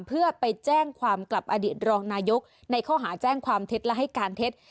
เพื่อไปแจ้งความกลับอดีตรองนายกในข้อหาแจ้งความเท็จและให้การเท็จ